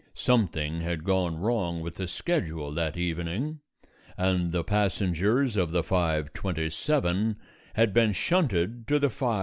Something had gone wrong with the schedule that evening, and the passengers of the 5:27 had been shunted to the 5:30.